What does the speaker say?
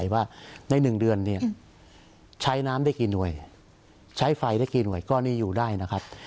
ว่าใน๑เดือนเนี่ยใช้น้ำได้กี่หน่วยใช้ไฟได้กี่หน่วยก็นี่อยู่ได้นะครับ